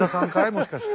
もしかして。